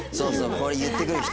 これ言ってくる人」